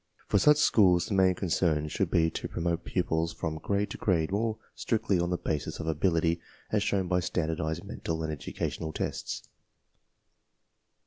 For such schools the main concern should be to promote pupils from grade to grade more strictly on the basis of ability as shown by standardized mental and educational tests.